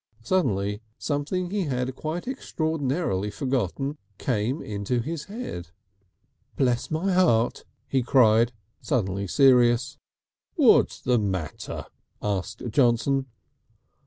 Suddenly something he had quite extraordinarily forgotten came into his head. "Bless my heart!" he cried, suddenly serious. "What's the matter?" asked Johnson.